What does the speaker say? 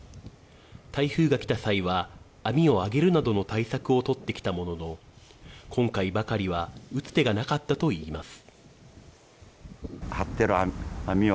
台風が来た際は網を上げるなどの対策をとってきたものの、今回ばかりは打つ手がなかったといいます。